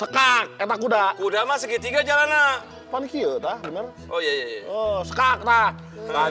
kudama segitiga jalanan